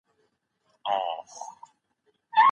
د خپلي روغتیا خیال ساته.